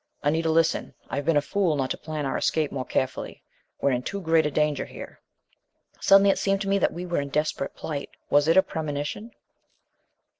"Anita, listen. I've been a fool not to plan our escape more carefully. We're in too great a danger here!" Suddenly it seemed to me that we were in desperate plight! Was it premonition?